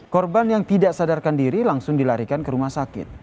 korban yang tidak sadarkan diri langsung dilarikan ke rumah sakit